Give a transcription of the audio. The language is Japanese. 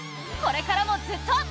これからもずっと。